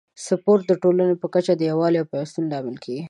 سپورت د ټولنې په کچه د یووالي او پیوستون لامل کیږي.